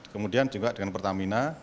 kemudian juga dengan pertamina